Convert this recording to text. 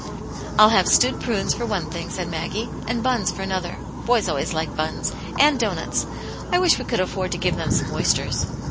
"Til have stewed prunes for one thing," said Maggie, "and buns for another. Boys always like buns. And doughnuts. I wish "We could afford to give them some oysters.